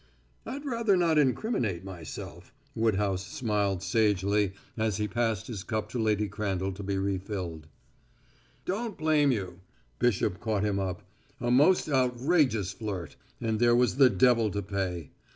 "I'd rather not incriminate myself." Woodhouse smiled sagely as he passed his cup to Lady Crandall to be refilled. "Don't blame you," Bishop caught him up. "A most outrageous flirt, and there was the devil to pay.